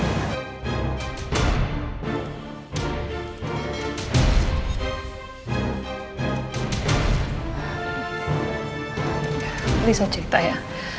ini saya cerita ya